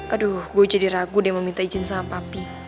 aduh gue jadi ragu deh meminta izin sama papi